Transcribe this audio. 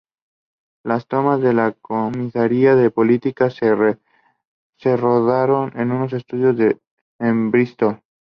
Las tomas de la comisaría de policía se rodaron en unos estudios en Bristol.